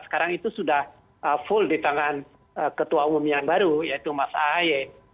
sekarang itu sudah full di tangan ketua umum yang baru yaitu mas ahy